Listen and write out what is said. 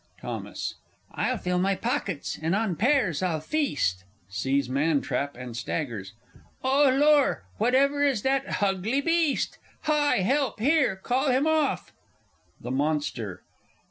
Thos. I'll fill my pockets, and on pears I'll feast! [Sees Man trap, and staggers. Oh, lor whatever is that hugly beast! Hi, help, here! call him off!... _The Monster.